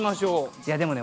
いやでもね